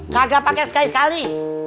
kagak pakai sekali kali